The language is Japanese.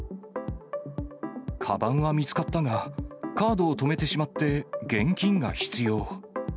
かばんは見つかったが、カードを止めてしまって現金が必要。